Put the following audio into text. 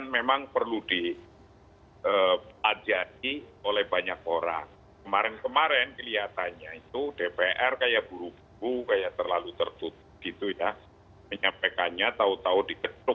menyampaikannya tahu tahu diketuk